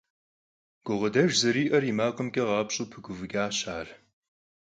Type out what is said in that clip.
Гукъыдэж зэриӀэр и макъымкӀэ къапщӀэу пыгуфӀыкӀащ ар.